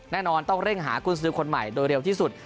แน่นอนต้องเร่งหากุญสือคนใหม่โดยเร็วที่สุด